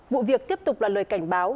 vụ việc tiếp tục là lời cảnh báo